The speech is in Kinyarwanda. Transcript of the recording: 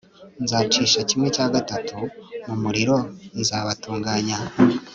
nzacisha kimwe cya gatatu mu muriro nzabatunganya